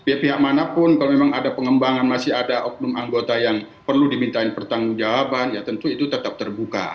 pihak pihak manapun kalau memang ada pengembangan masih ada oknum anggota yang perlu dimintain pertanggung jawaban ya tentu itu tetap terbuka